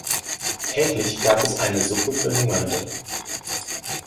Täglich gab es eine Suppe für Hungernde.